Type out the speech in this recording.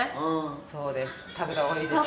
そうです。